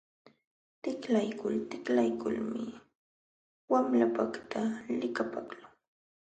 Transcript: Tiklaykul tiklaykulmi wamlakaqta likapaqlun.